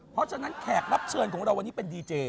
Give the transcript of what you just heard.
เพราะฉะนั้นแขกรับเชิญของเราวันนี้เป็นดีเจ